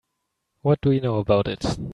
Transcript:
What do you know about it?